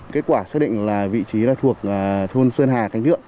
kết quả xác định là vị trí thuộc thôn sơn hà khánh thượng